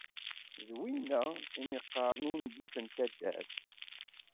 D winna iwmi qqaren ungif n taddart.